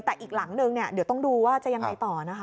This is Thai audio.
แต่อีกหลังนึงเนี่ยเดี๋ยวต้องดูว่าจะยังไงต่อนะคะ